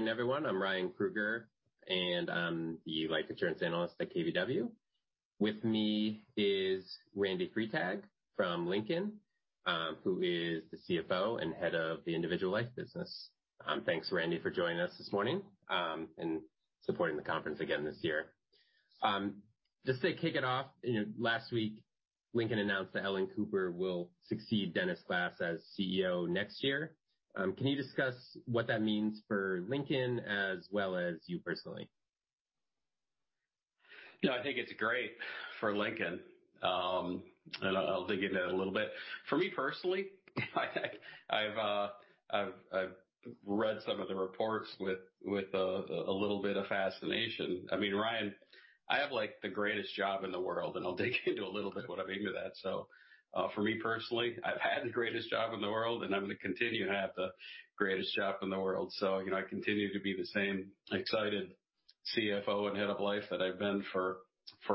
Morning, everyone. I'm Ryan Krueger, I'm the life insurance analyst at KBW. With me is Randy Freitag from Lincoln, who is the CFO and head of the individual life business. Thanks, Randy, for joining us this morning, and supporting the conference again this year. Just to kick it off, last week Lincoln announced that Ellen Cooper will succeed Dennis Glass as CEO next year. Can you discuss what that means for Lincoln as well as you personally? I think it's great for Lincoln. I'll dig into that a little bit. For me personally I've read some of the reports with a little bit of fascination. Ryan, I have the greatest job in the world, and I'll dig into a little bit what I mean by that. For me personally, I've had the greatest job in the world, and I'm going to continue to have the greatest job in the world. I continue to be the same excited CFO and head of life that I've been for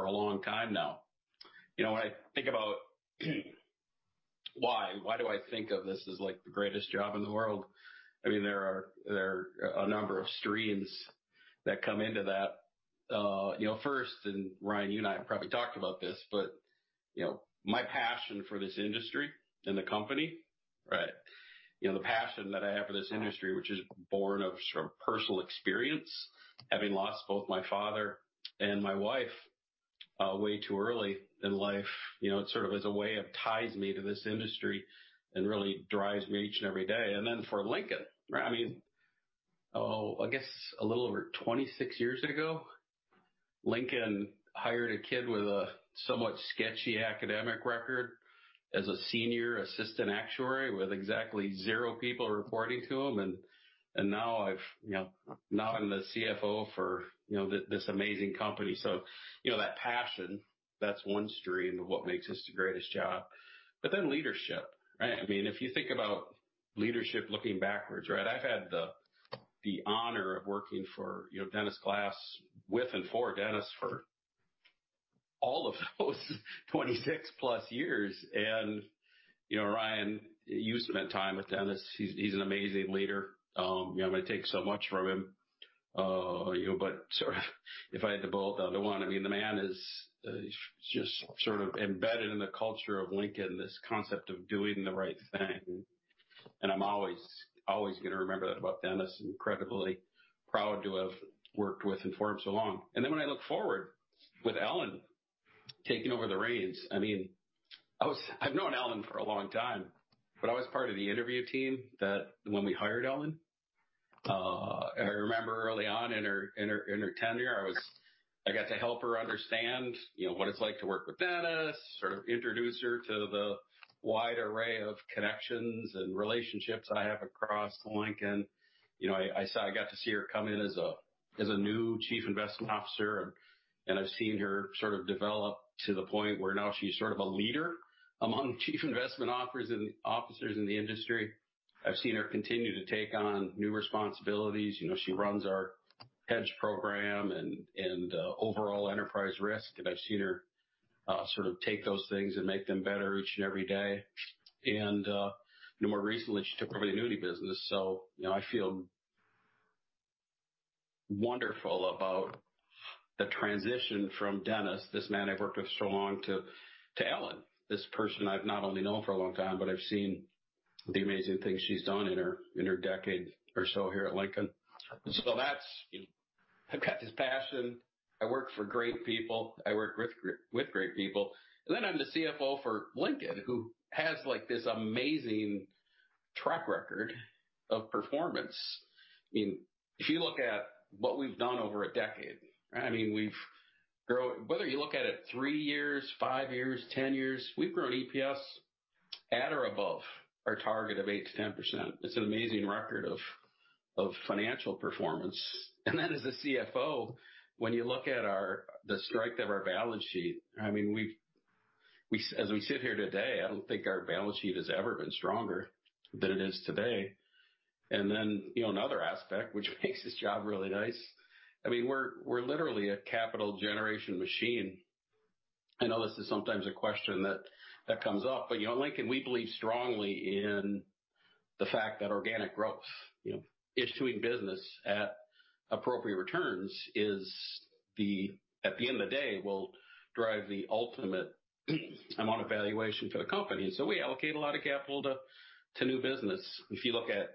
a long time now. When I think about why do I think of this as the greatest job in the world, there are a number of streams that come into that. First, and Ryan, you and I have probably talked about this, but my passion for this industry and the company. The passion that I have for this industry, which is born of personal experience, having lost both my father and my wife way too early in life. It sort of as a way of ties me to this industry and really drives me each and every day. For Lincoln. I guess a little over 26 years ago, Lincoln hired a kid with a somewhat sketchy academic record as a senior assistant actuary with exactly zero people reporting to him, and now I'm the CFO for this amazing company. That passion, that's one stream of what makes this the greatest job. Leadership. If you think about leadership looking backwards, I've had the honor of working for Dennis Glass, with and for Dennis for all of those 26 plus years. Ryan, you spent time with Dennis. He's an amazing leader. I'm going to take so much from him. If I had to boil it down to one, the man is just sort of embedded in the culture of Lincoln, this concept of doing the right thing. I'm always going to remember that about Dennis. Incredibly proud to have worked with and for him so long. When I look forward with Ellen taking over the reins. I've known Ellen for a long time, but I was part of the interview team when we hired Ellen. I remember early on in her tenure, I got to help her understand what it's like to work with Dennis, sort of introduce her to the wide array of connections and relationships I have across Lincoln. I got to see her come in as a new chief investment officer, I've seen her sort of develop to the point where now she's sort of a leader among chief investment officers in the industry. I've seen her continue to take on new responsibilities. She runs our hedge program and overall enterprise risk, I've seen her take those things and make them better each and every day. More recently, she took over the annuity business. I feel wonderful about the transition from Dennis, this man I've worked with so long, to Ellen, this person I've not only known for a long time, but I've seen the amazing things she's done in her decade or so here at Lincoln. I've got this passion. I work for great people. I work with great people. I'm the CFO for Lincoln, who has this amazing track record of performance. If you look at what we've done over a decade, whether you look at it three years, five years, 10 years, we've grown EPS at or above our target of 8%-10%. It's an amazing record of financial performance. As the CFO, when you look at the strength of our balance sheet, as we sit here today, I don't think our balance sheet has ever been stronger than it is today. Another aspect which makes this job really nice, we're literally a capital generation machine. I know this is sometimes a question that comes up, at Lincoln, we believe strongly in the fact that organic growth, issuing business at appropriate returns, at the end of the day, will drive the ultimate amount of valuation for the company. We allocate a lot of capital to new business. If you look at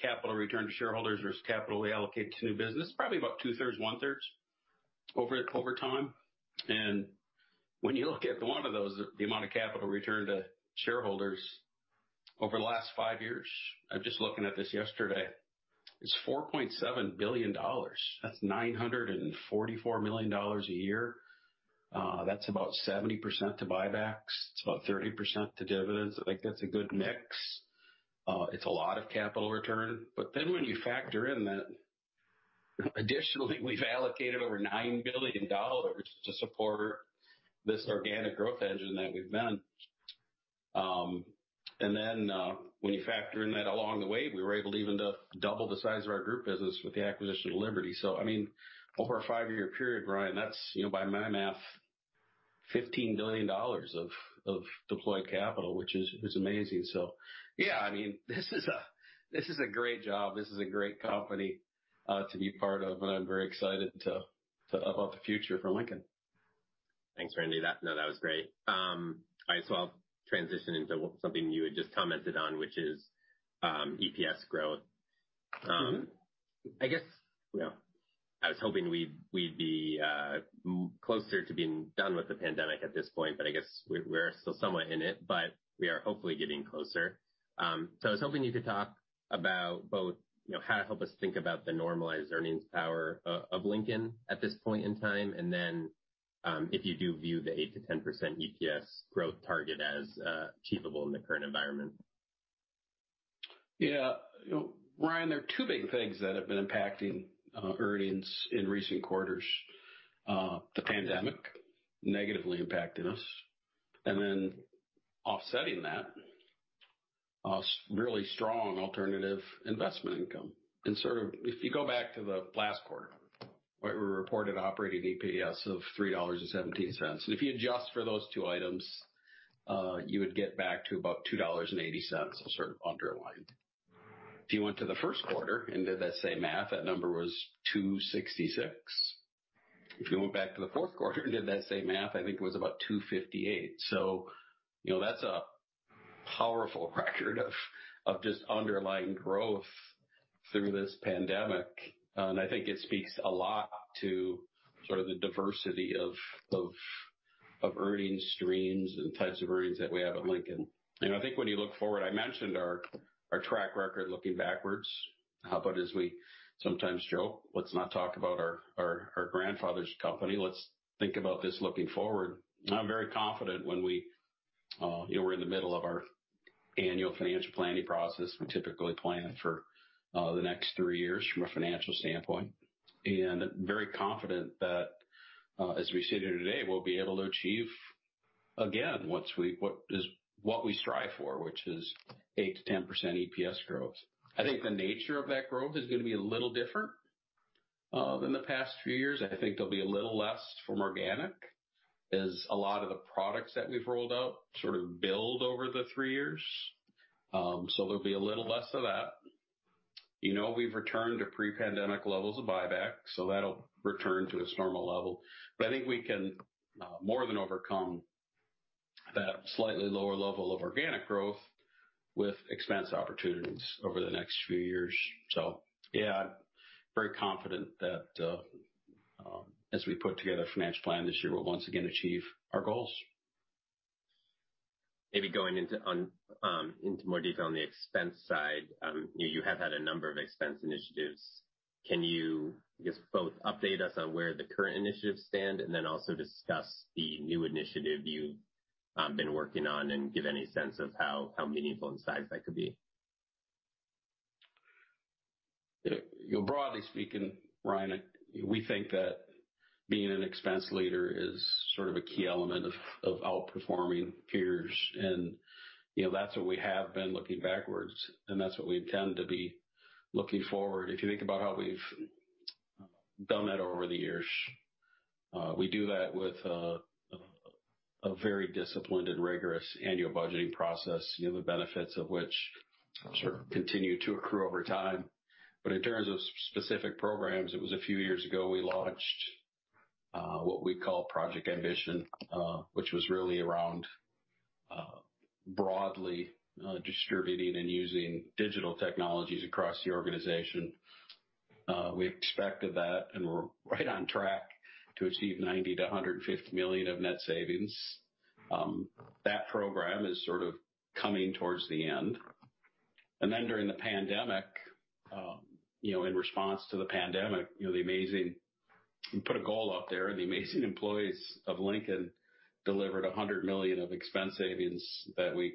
capital return to shareholders versus capital we allocate to new business, probably about two-thirds, one-third over time. When you look at one of those, the amount of capital returned to shareholders over the last five years, I was just looking at this yesterday, it's $4.7 billion. That's $944 million a year. That's about 70% to buybacks. It's about 30% to dividends. I think that's a good mix. It's a lot of capital return. When you factor in that additionally, we've allocated over $9 billion to support this organic growth engine that we've been. When you factor in that along the way, we were able even to double the size of our group business with the acquisition of Liberty. Over a five-year period, Ryan, that's, by my math $15 billion of deployed capital, which is amazing. Yeah, this is a great job. This is a great company to be part of, I'm very excited about the future for Lincoln. Thanks, Randy. That was great. I'll transition into something you had just commented on, which is EPS growth. I guess, I was hoping we'd be closer to being done with the pandemic at this point. I guess we're still somewhat in it. We are hopefully getting closer. I was hoping you could talk about both how to help us think about the normalized earnings power of Lincoln at this point in time, and then if you do view the 8%-10% EPS growth target as achievable in the current environment. Yeah. Ryan, there are two big things that have been impacting earnings in recent quarters. The pandemic negatively impacted us, and then offsetting that, a really strong alternative investment income. If you go back to the last quarter, we reported operating EPS of $3.17. If you adjust for those two items, you would get back to about $2.80 of underlying. If you went to the first quarter and did that same math, that number was $2.66. If you went back to the fourth quarter and did that same math, I think it was about $2.58. That's a powerful record of just underlying growth through this pandemic. I think it speaks a lot to the diversity of earnings streams and types of earnings that we have at Lincoln. I think when you look forward, I mentioned our track record looking backwards. How about as we sometimes joke, let's not talk about our grandfather's company. Let's think about this looking forward. I'm very confident when we're in the middle of our annual financial planning process. We typically plan for the next three years from a financial standpoint, very confident that, as we sit here today, we'll be able to achieve again, what we strive for, which is 8%-10% EPS growth. I think the nature of that growth is going to be a little different than the past few years. I think there'll be a little less from organic as a lot of the products that we've rolled out build over the three years. There'll be a little less of that. We've returned to pre-pandemic levels of buyback, that'll return to its normal level. I think we can more than overcome that slightly lower level of organic growth with expense opportunities over the next few years. Yeah, I'm very confident that as we put together a financial plan this year, we'll once again achieve our goals. Maybe going into more detail on the expense side. You have had a number of expense initiatives. Can you just both update us on where the current initiatives stand and then also discuss the new initiative you've been working on and give any sense of how meaningful in size that could be? Broadly speaking, Ryan Krueger, we think that being an expense leader is a key element of outperforming peers, and that's what we have been looking backwards, and that's what we intend to be looking forward. If you think about how we've done that over the years, we do that with a very disciplined and rigorous annual budgeting process, the benefits of which continue to accrue over time. In terms of specific programs, it was a few years ago, we launched what we call Project Ambition, which was really around broadly distributing and using digital technologies across the organization. We expected that, and we're right on track to achieve $90 million-$150 million of net savings. That program is coming towards the end. During the pandemic, in response to the pandemic, we put a goal out there and the amazing employees of Lincoln delivered $100 million of expense savings that we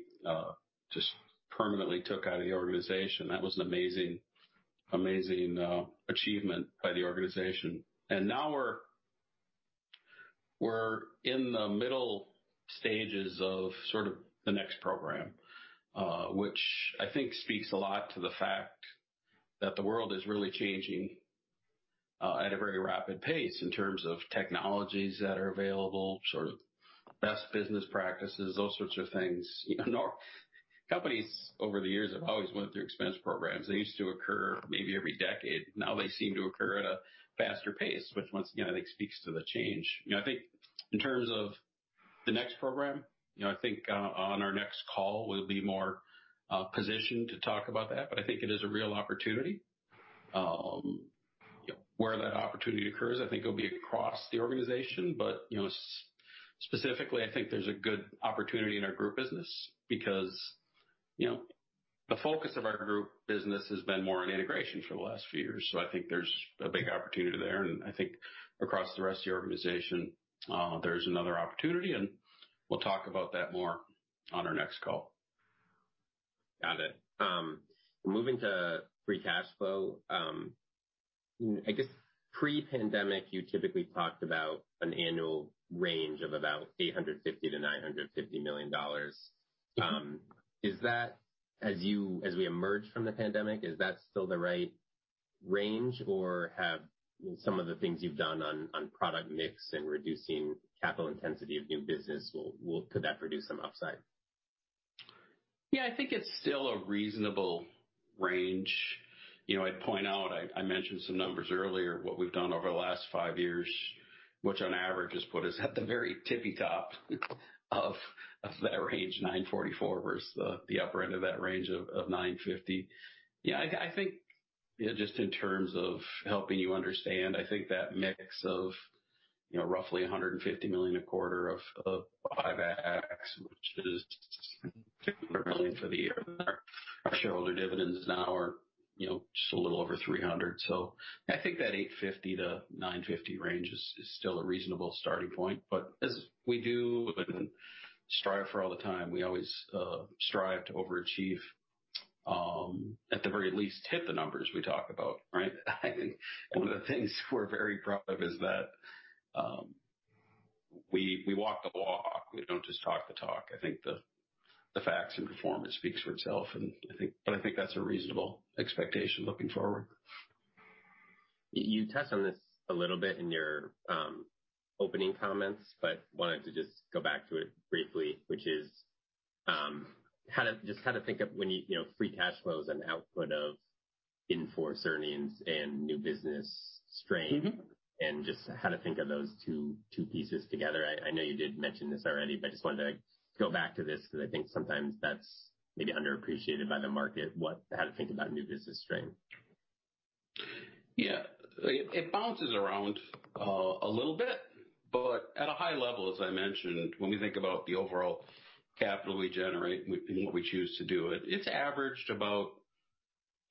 just permanently took out of the organization. That was an amazing achievement by the organization. Now we're in the middle stages of the next program, which I think speaks a lot to the fact that the world is really changing at a very rapid pace in terms of technologies that are available, best business practices, those sorts of things. Companies over the years have always went through expense programs. They used to occur maybe every decade. Now they seem to occur at a faster pace, which once again, I think speaks to the change. I think in terms of the next program, I think on our next call, we'll be more positioned to talk about that, but I think it is a real opportunity. Where that opportunity occurs, I think it'll be across the organization, but specifically, I think there's a good opportunity in our group business because the focus of our group business has been more on integration for the last few years. I think there's a big opportunity there, and I think across the rest of the organization, there's another opportunity, and we'll talk about that more on our next call. Got it. Moving to free cash flow. I guess pre-pandemic, you typically talked about an annual range of about $850 million-$950 million. Yeah. As we emerge from the pandemic, is that still the right range or have some of the things you've done on product mix and reducing capital intensity of new business, could that produce some upside? I think it's still a reasonable range. I'd point out, I mentioned some numbers earlier, what we've done over the last five years, which on average has put us at the very tippy top of that range, $944 versus the upper end of that range of $950. I think just in terms of helping you understand, I think that mix of roughly $150 million a quarter of buybacks, which is $600 million for the year. Our shareholder dividends now are just a little over $300 million. I think that $850 million-$950 million range is still a reasonable starting point. As we do strive for all the time, we always strive to overachieve. At the very least, hit the numbers we talk about, right. One of the things we're very proud of is that we walk the walk. We don't just talk the talk. I think the facts and performance speaks for itself, but I think that's a reasonable expectation looking forward. You touched on this a little bit in your opening comments, but wanted to just go back to it briefly, which is just how to think of free cash flow as an output of in-force earnings and new business strain. Just how to think of those two pieces together. I know you did mention this already, but I just wanted to go back to this because I think sometimes that's maybe underappreciated by the market, how to think about new business strain. Yeah. It bounces around a little bit, but at a high level, as I mentioned, when we think about the overall capital we generate and what we choose to do with it's averaged about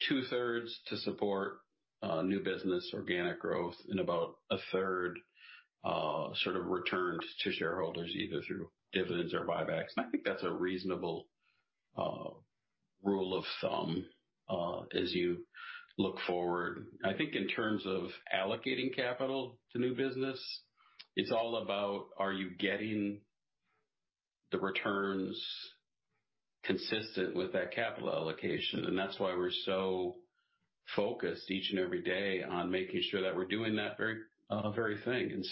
two-thirds to support new business organic growth and about a third sort of returned to shareholders, either through dividends or buybacks. I think that's a reasonable rule of thumb as you look forward. I think in terms of allocating capital to new business, it's all about are you getting the returns consistent with that capital allocation, and that's why we're so focused each and every day on making sure that we're doing that very thing.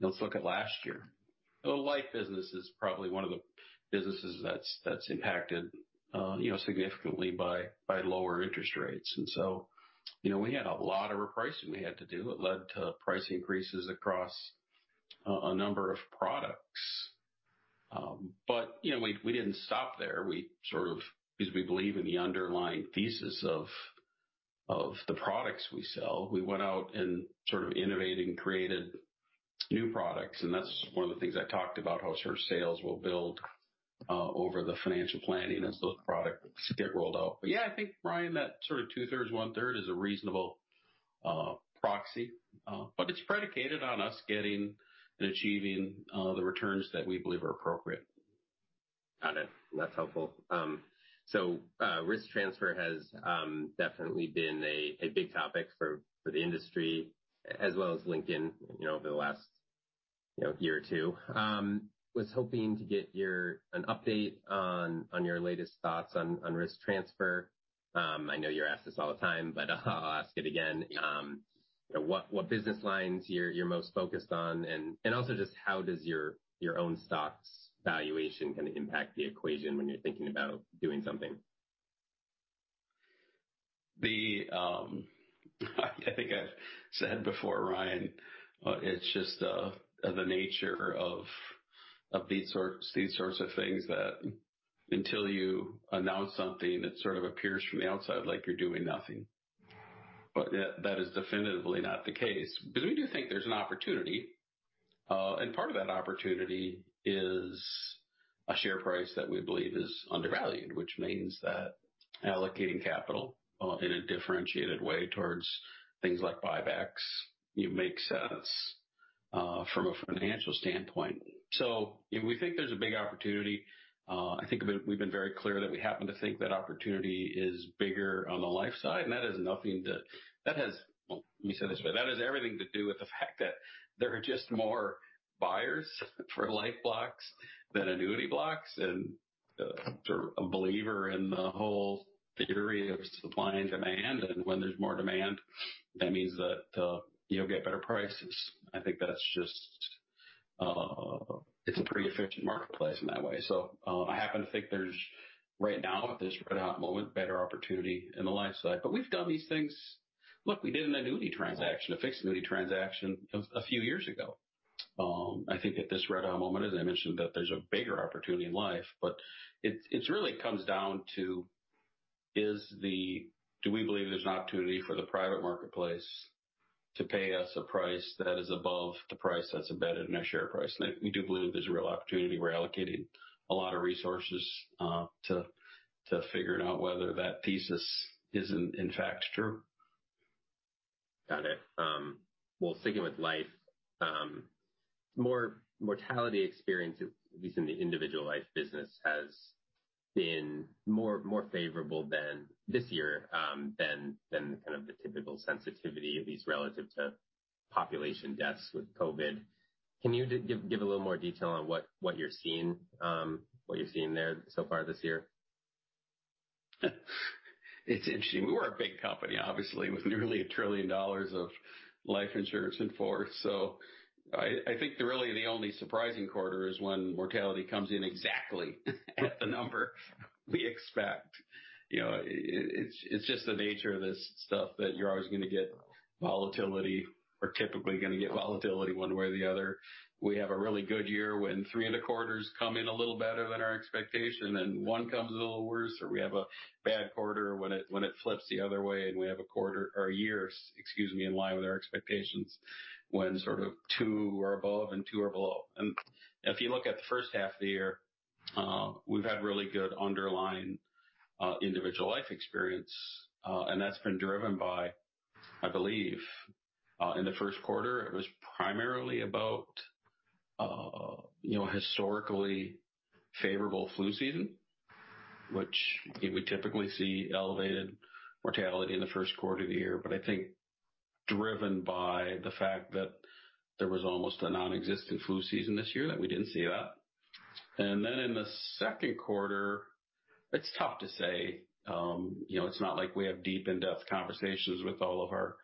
Let's look at last year. The life business is probably one of the businesses that's impacted significantly by lower interest rates. We had a lot of repricing we had to do that led to price increases across a number of products. We didn't stop there. We believe in the underlying thesis of the products we sell. We went out and sort of innovated and created new products, and that's one of the things I talked about, how sales will build over the financial planning as those products get rolled out. I think, Ryan, that sort of two-thirds, one-third is a reasonable proxy. It's predicated on us getting and achieving the returns that we believe are appropriate. Got it. That's helpful. Risk transfer has definitely been a big topic for the industry as well as Lincoln over the last year or two. Was hoping to get an update on your latest thoughts on risk transfer. I know you're asked this all the time, I'll ask it again. What business lines you're most focused on, and also just how does your own stock's valuation kind of impact the equation when you're thinking about doing something? I think I've said before, Ryan, it's just the nature of these sorts of things that until you announce something, it sort of appears from the outside like you're doing nothing. That is definitively not the case because we do think there's an opportunity. Part of that opportunity is a share price that we believe is undervalued, which means that allocating capital in a differentiated way towards things like buybacks, you make sense from a financial standpoint. We think there's a big opportunity. I think we've been very clear that we happen to think that opportunity is bigger on the life side. Well, let me say it this way. That has everything to do with the fact that there are just more buyers for life blocks than annuity blocks and I'm a believer in the whole theory of supply and demand, and when there's more demand, that means that you'll get better prices. I think that it's a pretty efficient marketplace in that way. I happen to think there's, right now at this red-hot moment, better opportunity in the life side. We've done these things. Look, we did an annuity transaction, a fixed annuity transaction a few years ago. I think at this red-hot moment, as I mentioned, that there's a bigger opportunity in life. It really comes down to do we believe there's an opportunity for the private marketplace to pay us a price that is above the price that's embedded in our share price? We do believe there's a real opportunity. We're allocating a lot of resources to figuring out whether that thesis is in fact true. Got it. Well, sticking with life, mortality experience, at least in the individual life business, has been more favorable this year than kind of the typical sensitivity, at least relative to Population deaths with COVID. Can you give a little more detail on what you're seeing there so far this year? It's interesting. We're a big company, obviously, with nearly $1 trillion of life insurance in force. I think really the only surprising quarter is when mortality comes in exactly at the number we expect. It's just the nature of this stuff that you're always going to get volatility, or typically going to get volatility one way or the other. We have a really good year when three and a quarter has come in a little better than our expectation, and one comes a little worse, or we have a bad quarter when it flips the other way, and we have a year in line with our expectations when sort of two are above and two are below. If you look at the first half of the year, we've had really good underlying individual life experience. That's been driven by, I believe, in the first quarter, it was primarily about historically favorable flu season, which we typically see elevated mortality in the first quarter of the year, but I think driven by the fact that there was almost a nonexistent flu season this year, that we didn't see that. Then in the second quarter, it's tough to say. It's not like we have deep, in-depth conversations with all of our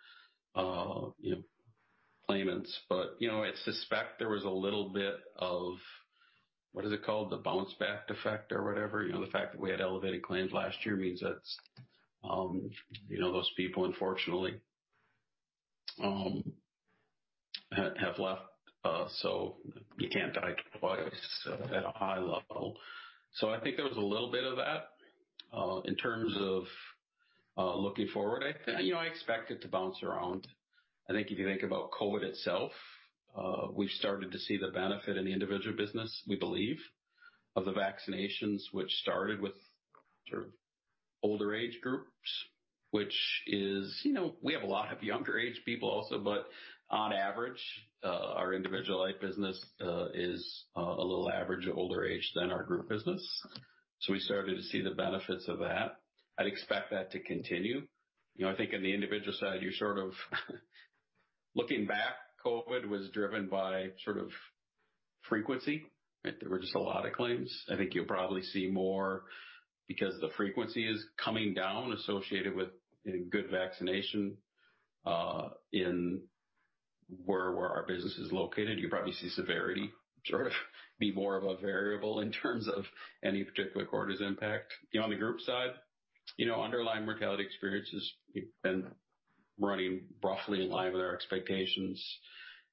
claimants, but I suspect there was a little bit of, what is it called, the bounce back effect or whatever. The fact that we had elevated claims last year means that those people, unfortunately, have left, so you can't die twice at a high level. I think there was a little bit of that. In terms of looking forward, I expect it to bounce around. I think if you think about COVID itself, we've started to see the benefit in the individual business, we believe, of the vaccinations, which started with sort of older age groups. We have a lot of younger age people also, but on average, our individual life business is a little average older age than our group business. We started to see the benefits of that. I'd expect that to continue. I think in the individual side, you're sort of looking back, COVID was driven by sort of frequency, right? There were just a lot of claims. I think you'll probably see more because the frequency is coming down associated with good vaccination where our business is located. You'll probably see severity sort of be more of a variable in terms of any particular quarter's impact. On the group side, underlying mortality experience has been running roughly in line with our expectations.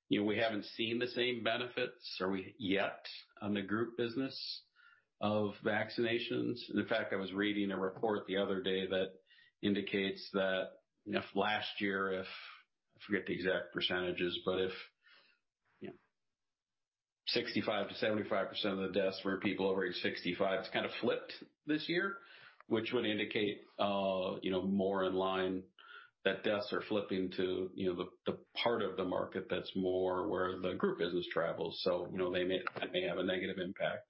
We haven't seen the same benefits yet on the group business of vaccinations. In fact, I was reading a report the other day that indicates that last year, I forget the exact percentages, but if 65%-75% of the deaths were people over age 65, it's kind of flipped this year, which would indicate more in line that deaths are flipping to the part of the market that's more where the group business travels. That may have a negative impact.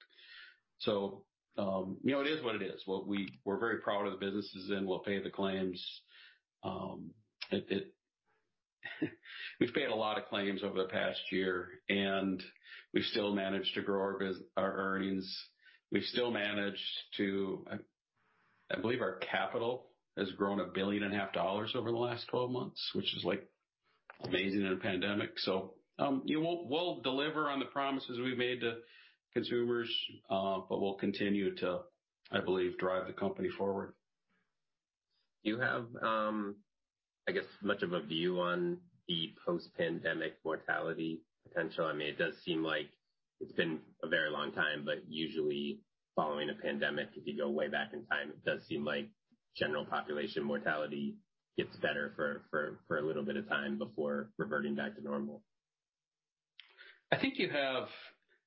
It is what it is. We're very proud of the businesses, and we'll pay the claims. We've paid a lot of claims over the past year, and we've still managed to grow our earnings. I believe our capital has grown a billion and a half dollars over the last 12 months, which is amazing in a pandemic. We'll deliver on the promises we've made to consumers, but we'll continue to, I believe, drive the company forward. Do you have, I guess, much of a view on the post-pandemic mortality potential? It does seem like it's been a very long time, but usually following a pandemic, if you go way back in time, it does seem like general population mortality gets better for a little bit of time before reverting back to normal.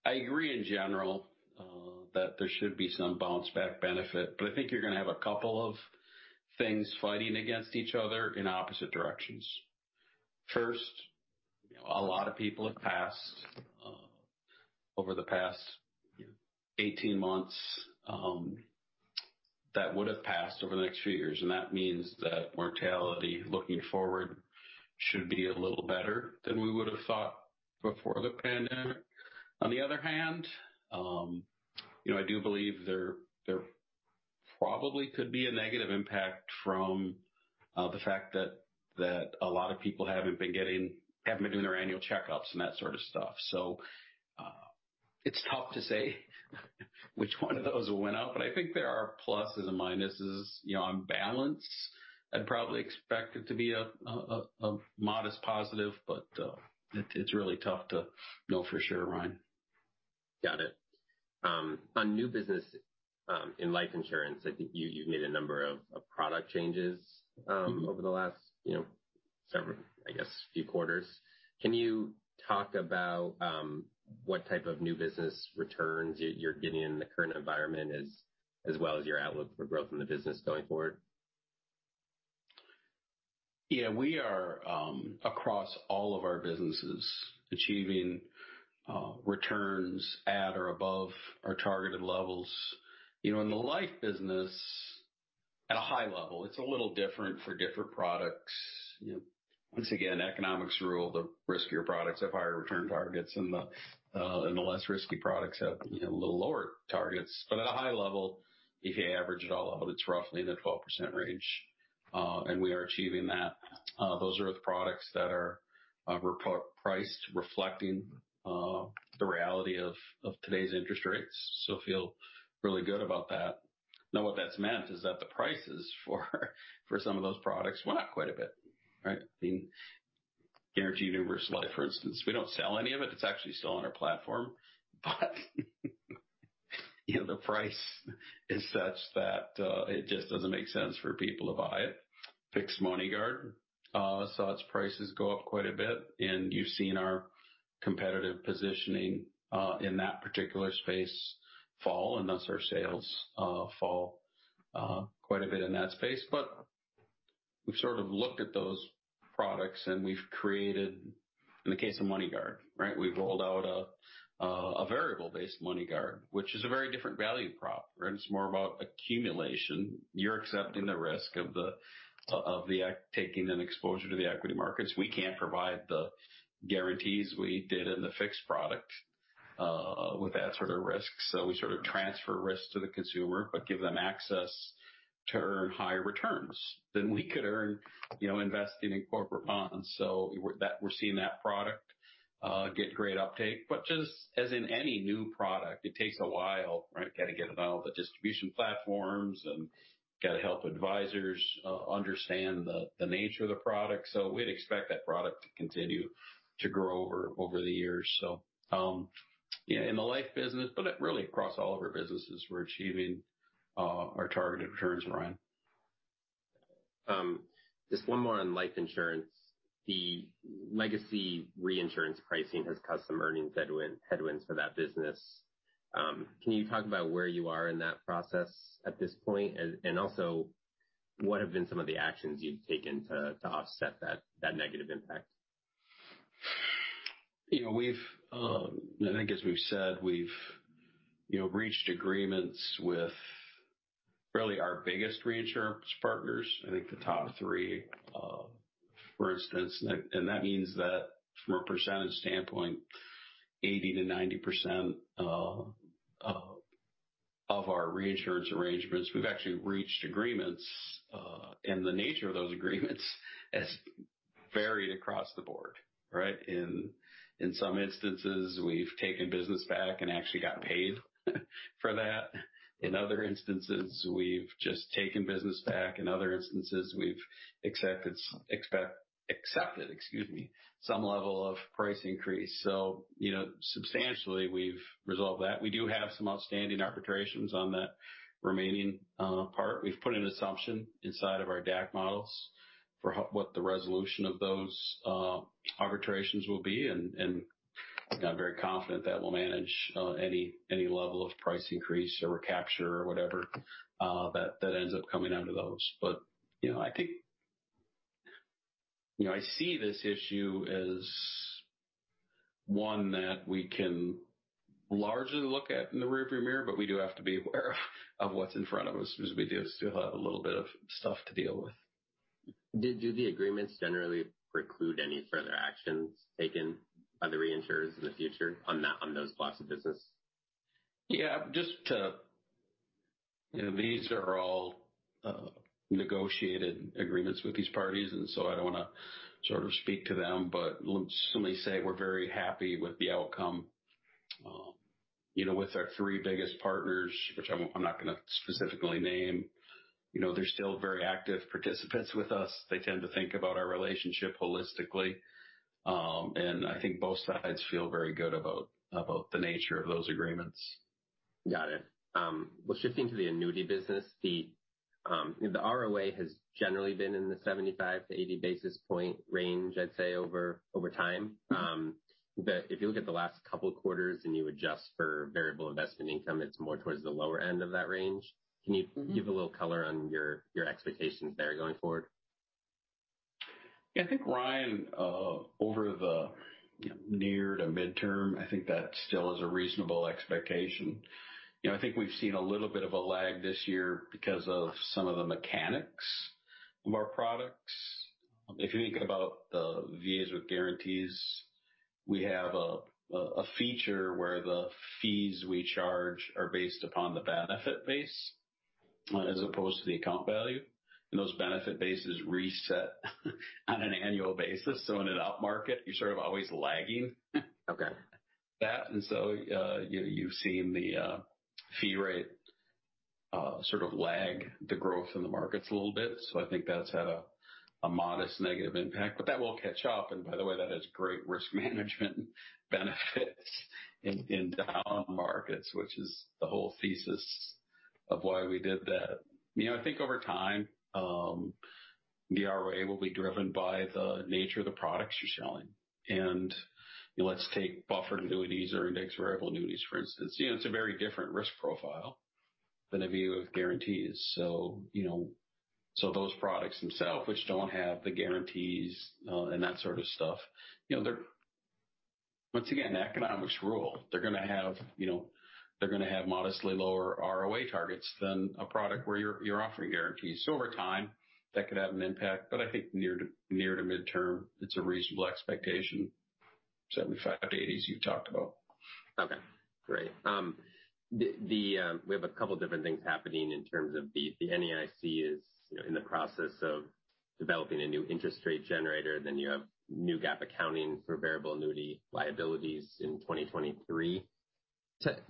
I agree in general that there should be some bounce back benefit, I think you're going to have a couple of things fighting against each other in opposite directions. First, a lot of people have passed over the past 18 months that would have passed over the next few years, and that means that mortality looking forward should be a little better than we would have thought before the pandemic. On the other hand, I do believe there probably could be a negative impact from the fact that a lot of people haven't been doing their annual checkups and that sort of stuff. It's tough to say which one of those went up, but I think there are pluses and minuses. On balance, I'd probably expect it to be a modest positive, but it's really tough to know for sure, Ryan. Got it. On new business in life insurance, I think you've made a number of product changes over the last several, I guess, few quarters. Can you talk about what type of new business returns you're getting in the current environment, as well as your outlook for growth in the business going forward? Yeah. We are, across all of our businesses, achieving returns at or above our targeted levels. In the life business, at a high level. It's a little different for different products. Once again, economics rule, the riskier products have higher return targets and the less risky products have little lower targets. At a high level, if you average it all out, it's roughly in the 12% range. We are achieving that. Those are the products that are priced reflecting the reality of today's interest rates, feel really good about that. What that's meant is that the prices for some of those products went up quite a bit. Right? The guaranteed universal life, for instance, we don't sell any of it. It's actually still on our platform. The price is such that it just doesn't make sense for people to buy it. Fixed MoneyGuard, saw its prices go up quite a bit, you've seen our competitive positioning in that particular space fall, thus our sales fall quite a bit in that space. We've sort of looked at those products and we've created, in the case of MoneyGuard, we've rolled out a variable-based MoneyGuard, which is a very different value prop. It's more about accumulation. You're accepting the risk of the taking an exposure to the equity markets. We can't provide the guarantees we did in the fixed product with that sort of risk. We sort of transfer risk to the consumer, but give them access to earn higher returns than we could earn investing in corporate bonds. We're seeing that product get great uptake. Just as in any new product, it takes a while, right? Got to get it on all the distribution platforms and got to help advisors understand the nature of the product. We'd expect that product to continue to grow over the years. In the life business, but really across all of our businesses, we're achieving our targeted returns, Ryan. Just one more on life insurance. The legacy reinsurance pricing has caused some earnings headwinds for that business. Can you talk about where you are in that process at this point? Also, what have been some of the actions you've taken to offset that negative impact? I think as we've said, we've reached agreements with really our biggest reinsurance partners, I think the top three, for instance. That means that from a percentage standpoint, 80%-90% of our reinsurance arrangements, we've actually reached agreements. The nature of those agreements has varied across the board. Right? In some instances, we've taken business back and actually got paid for that. In other instances, we've just taken business back. In other instances, we've accepted, excuse me, some level of price increase. Substantially, we've resolved that. We do have some outstanding arbitrations on that remaining part. We've put an assumption inside of our DAC models for what the resolution of those arbitrations will be, and I'm very confident that we'll manage any level of price increase or recapture or whatever that ends up coming out of those. I see this issue as one that we can largely look at in the rear view mirror, but we do have to be aware of what's in front of us, because we do still have a little bit of stuff to deal with. Do the agreements generally preclude any further actions taken by the reinsurers in the future on those blocks of business? Yeah. These are all negotiated agreements with these parties, I don't want to sort of speak to them, but let me say we're very happy with the outcome. With our three biggest partners, which I'm not going to specifically name, they're still very active participants with us. They tend to think about our relationship holistically. I think both sides feel very good about the nature of those agreements. Got it. Well, shifting to the annuity business, the ROA has generally been in the 75 to 80 basis point range, I'd say, over time. If you look at the last couple of quarters and you adjust for variable investment income, it's more towards the lower end of that range. Can you give a little color on your expectations there going forward? Yeah, I think, Ryan, over the near to midterm, I think that still is a reasonable expectation. I think we've seen a little bit of a lag this year because of some of the mechanics of our products. If you think about the VAs with guarantees, we have a feature where the fees we charge are based upon the benefit base as opposed to the account value. Those benefit bases reset on an annual basis. In an upmarket, you're sort of always lagging. Okay. You've seen the fee rate sort of lag the growth in the markets a little bit. I think that's had a modest negative impact, but that will catch up, and by the way, that has great risk management benefits in down markets, which is the whole thesis of why we did that. I think over time, the ROA will be driven by the nature of the products you're selling. Let's take buffered annuities or index variable annuities, for instance. It's a very different risk profile than a view of guarantees. Those products themselves, which don't have the guarantees and that sort of stuff. Once again, economics rule. They're going to have modestly lower ROA targets than a product where you're offering guarantees. Over time, that could have an impact, but I think near to midterm, it's a reasonable expectation, 75 to 80s you've talked about. Okay, great. We have a couple different things happening in terms of the NAIC is in the process of developing a new interest rate generator, you have new GAAP accounting for variable annuity liabilities in 2023.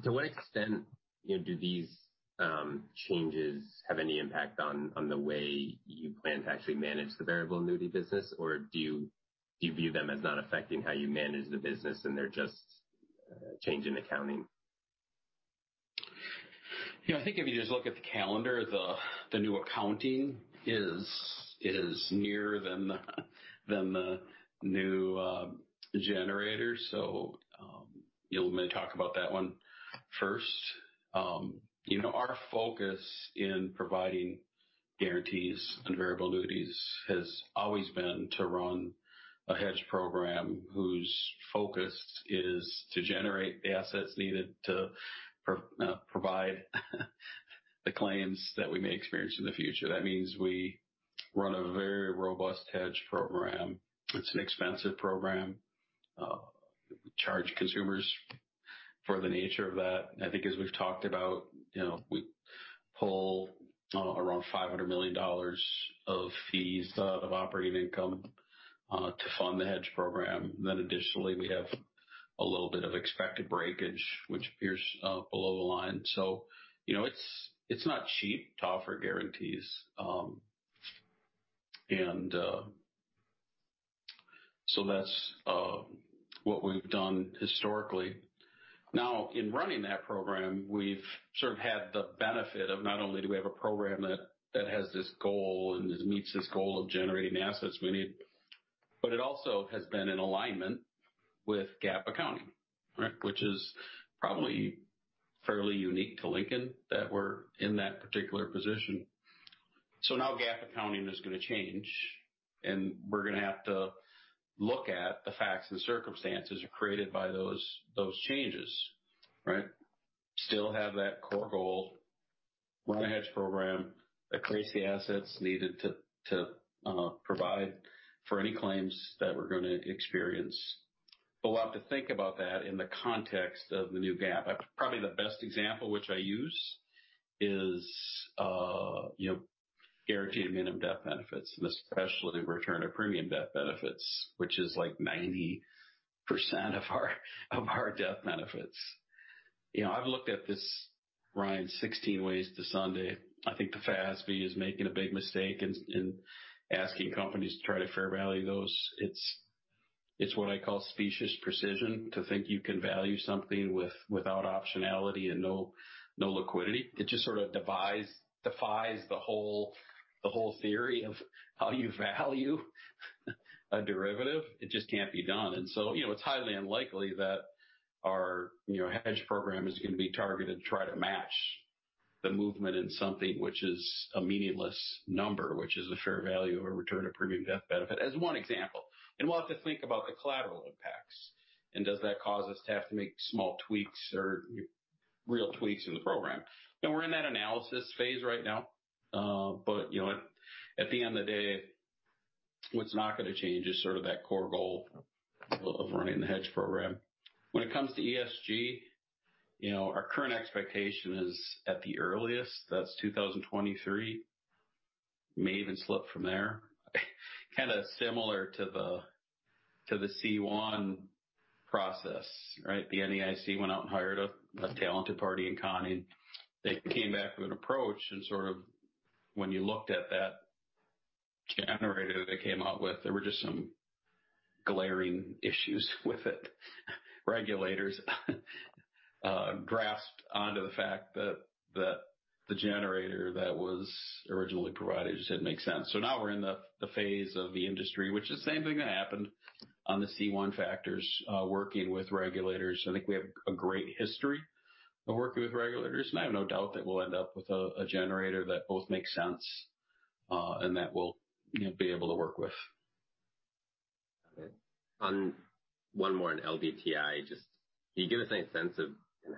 To what extent do these changes have any impact on the way you plan to actually manage the variable annuity business, or do you view them as not affecting how you manage the business and they're just a change in accounting? I think if you just look at the calendar, the new accounting is nearer than the new generator. You want me to talk about that one first. Our focus in providing guarantees on variable annuities has always been to run a hedge program whose focus is to generate the assets needed to provide the claims that we may experience in the future. That means we run a very robust hedge program. It's an expensive program. We charge consumers for the nature of that. I think as we've talked about, we pull around $500 million of fees out of operating income to fund the hedge program. Additionally, we have a little bit of expected breakage, which appears below the line. It's not cheap to offer guarantees. That's what we've done historically. In running that program, we've sort of had the benefit of not only do we have a program that has this goal and meets this goal of generating the assets we need, but it also has been in alignment with GAAP accounting, which is probably fairly unique to Lincoln that we're in that particular position. GAAP accounting is going to change, and we're going to have to look at the facts and circumstances created by those changes, right? Still have that core goal, run a hedge program, accrete the assets needed to provide for any claims that we're going to experience. We'll have to think about that in the context of the new GAAP. Probably the best example which I use is guaranteed minimum death benefits, and especially return of premium death benefits, which is like 90% of our death benefits. I've looked at this, Ryan, 16 ways to Sunday. I think the FASB is making a big mistake in asking companies to try to fair value those. It's what I call specious precision to think you can value something without optionality and no liquidity. It just sort of defies the whole theory of how you value a derivative. It just can't be done. It's highly unlikely that our hedge program is going to be targeted to try to match the movement in something which is a meaningless number, which is the fair value of a return of premium death benefit, as one example. We'll have to think about the collateral impacts and does that cause us to have to make small tweaks or real tweaks in the program. We're in that analysis phase right now. At the end of the day, what's not going to change is sort of that core goal of running the hedge program. When it comes to ESG, our current expectation is at the earliest, that's 2023. May even slip from there. Kind of similar to the C1 process, right? The NAIC went out and hired a talented party in Conning. They came back with an approach and sort of when you looked at that generator they came out with, there were just some glaring issues with it. Regulators grasped onto the fact that the generator that was originally provided just didn't make sense. We're in the phase of the industry, which is the same thing that happened on the C1 factors working with regulators. I think we have a great history of working with regulators, I have no doubt that we'll end up with a generator that both makes sense and that we'll be able to work with. Got it. One more on LDTI. Can you give us any sense of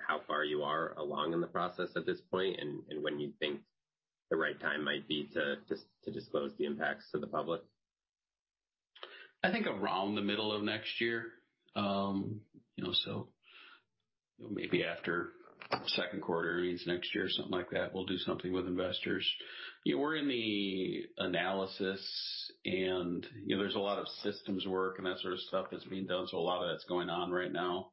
how far you are along in the process at this point and when you think the right time might be to disclose the impacts to the public? I think around the middle of next year. Maybe after second quarter earnings next year or something like that, we'll do something with investors. We're in the analysis and there's a lot of systems work and that sort of stuff that's being done. A lot of that's going on right now.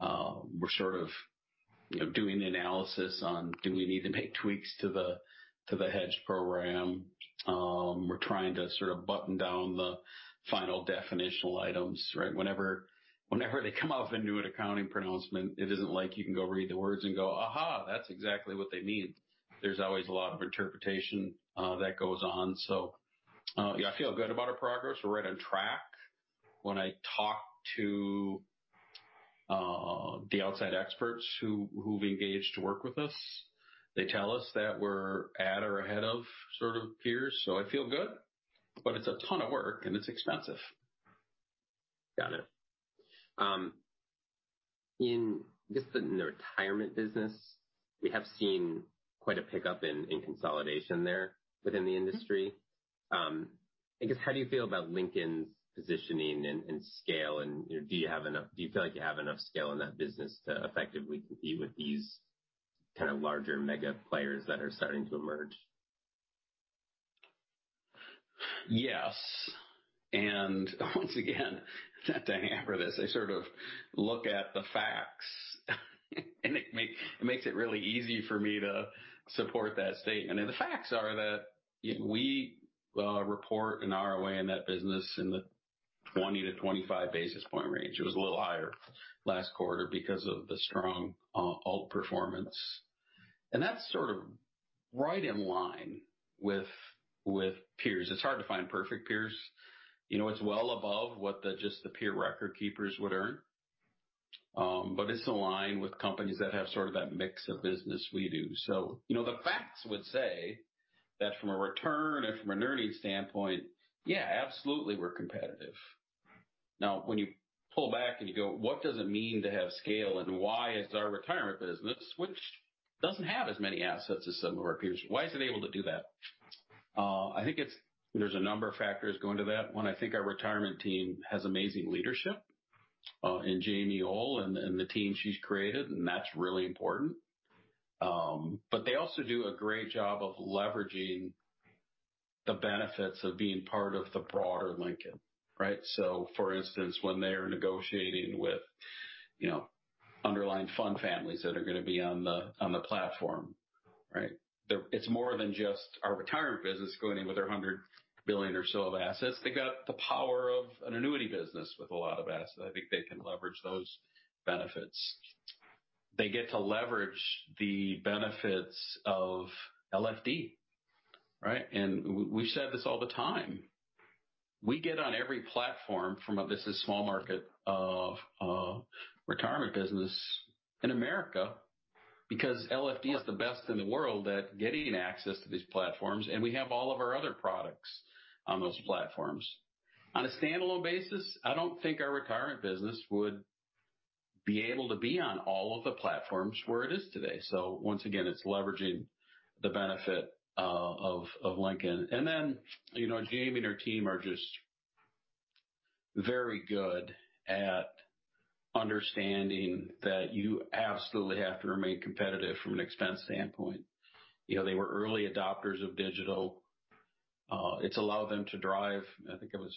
We're sort of doing the analysis on do we need to make tweaks to the hedge program? We're trying to sort of button down the final definitional items, right? Whenever they come out with a new accounting pronouncement, it isn't like you can go read the words and go, "Aha, that's exactly what they mean." There's always a lot of interpretation that goes on. Yeah, I feel good about our progress. We're right on track. When I talk to the outside experts who've engaged to work with us, they tell us that we're at or ahead of sort of peers. I feel good. It's a ton of work and it's expensive. Got it. In just the retirement business, we have seen quite a pickup in consolidation there within the industry. I guess, how do you feel about Lincoln's positioning and scale, and do you feel like you have enough scale in that business to effectively compete with these kind of larger mega players that are starting to emerge? Yes. Once again, not to hang up for this, I sort of look at the facts and it makes it really easy for me to support that statement. The facts are that we report an ROA in that business in the 20 to 25 basis point range. It was a little higher last quarter because of the strong alt performance. That's sort of right in line with peers. It's hard to find perfect peers. It's well above what just the peer record keepers would earn. It's aligned with companies that have sort of that mix of business we do. The facts would say that from a return and from an earning standpoint, yeah, absolutely, we're competitive. Now when you pull back and you go, what does it mean to have scale and why is our retirement business, which doesn't have as many assets as some of our peers, why is it able to do that? I think there's a number of factors going to that. One, I think our retirement team has amazing leadership, in Jamie Ohl and the team she's created, and that's really important. They also do a great job of leveraging the benefits of being part of the broader Lincoln, right? For instance, when they're negotiating with underlying fund families that are going to be on the platform, right? It's more than just our retirement business going in with their $100 billion or so of assets. They've got the power of an annuity business with a lot of assets. I think they can leverage those benefits. They get to leverage the benefits of LFD, right? We've said this all the time. We get on every platform from a business small market of retirement business in America because LFD is the best in the world at getting access to these platforms, and we have all of our other products on those platforms. On a standalone basis, I don't think our retirement business would be able to be on all of the platforms where it is today. Once again, it's leveraging the benefit of Lincoln. Then Jamie and her team are just very good at understanding that you absolutely have to remain competitive from an expense standpoint. They were early adopters of digital. It's allowed them to drive, I think I was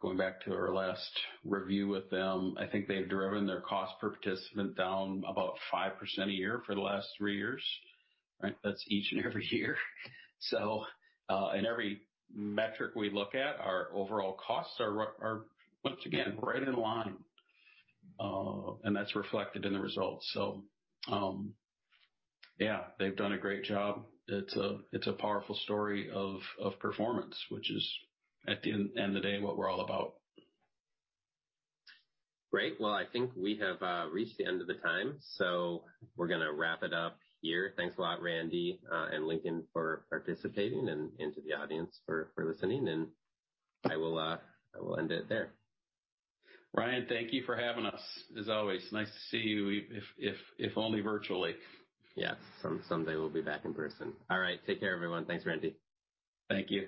going back to our last review with them. I think they've driven their cost per participant down about 5% a year for the last three years, right? That's each and every year. In every metric we look at, our overall costs are, once again, right in line. That's reflected in the results. Yeah, they've done a great job. It's a powerful story of performance, which is at the end of the day, what we're all about. Great. Well, I think we have reached the end of the time. We're going to wrap it up here. Thanks a lot, Randy and Lincoln for participating and to the audience for listening, and I will end it there. Ryan, thank you for having us, as always. Nice to see you, if only virtually. Yes. Someday we'll be back in person. All right. Take care, everyone. Thanks, Randy. Thank you.